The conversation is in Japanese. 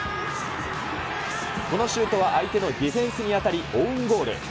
このシュートは相手のディフェンスに当たり、オウンゴール。